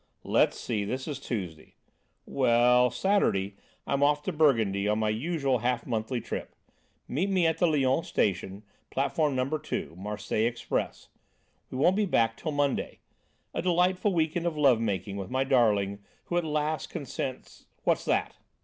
Let's see, this is Tuesday; well, Saturday I'm off to Burgundy on my usual half monthly trip. Meet me at the Lyons station, platform No. 2, Marseilles express. We won't be back till Monday. A delightful week end of love making with my darling who at last consents.... What's that!"